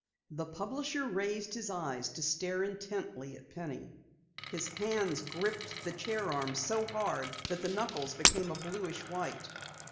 The publisher raised his eyes to stare intently at Penny. His hands gripped the chair arms so hard that the knuckles became a bluish white.